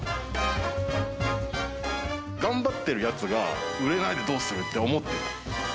頑張ってるやつが売れないでどうするって思ってた。